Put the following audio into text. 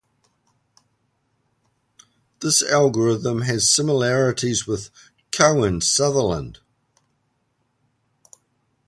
This algorithm has similarities with Cohen-Sutherland.